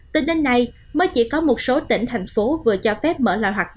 tính đến nay mới chỉ có một số tỉnh thành phố vừa cho phép mở lại hoạt động